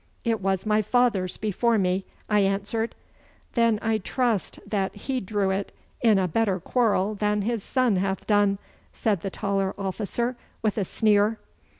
'It was my father's before me,' I answered. 'Then I trust that he drew it in a better quarrel than his son hath done,' said the taller officer, with a sneer.